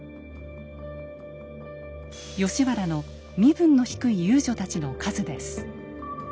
吉原の身分の低い遊女たちの数です。